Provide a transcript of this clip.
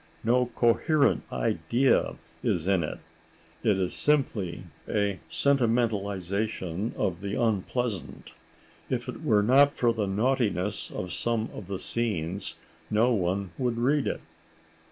No coherent idea is in it; it is simply a sentimentalization of the unpleasant; if it were not for the naughtiness of some of the scenes no one would read it.